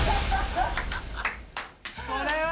これは。